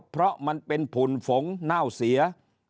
เพราะมันเป็นผุ่นฝงเน่าเสีย